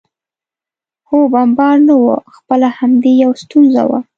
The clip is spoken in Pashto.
خو بمبار نه و، خپله همدې یو ستونزه وه.